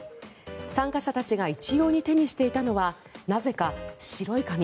参加者たちが一様に手にしていたのはなぜか白い紙。